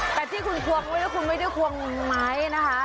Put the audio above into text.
แต่ที่คุณควงเวลาคุณไม่ได้ควงไหมนะฮะ